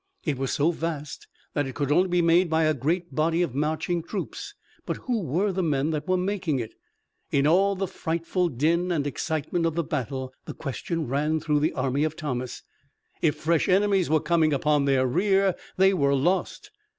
It was so vast that it could only be made by a great body of marching troops. But who were the men that were making it? In all the frightful din and excitement of the battle the question ran through the army of Thomas. If fresh enemies were coming upon their rear they were lost!